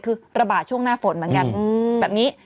คือระบาดช่วงหน้าฝนเหมือนกันแบบนี้